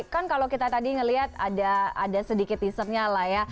kan kalau kita tadi ngelihat ada sedikit deasernya lah ya